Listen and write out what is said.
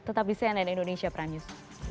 tetap di cnn indonesia prime news